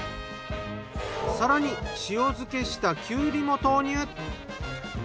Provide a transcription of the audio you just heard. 更に塩漬けしたきゅうりも投入。